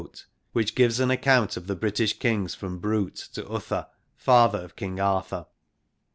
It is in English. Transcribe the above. Briton moniments,' which gives an account of British Kings from Brute to Uther, father of King Arthur.